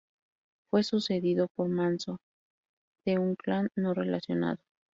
Fue sucedido por Manso, de un clan no relacionado.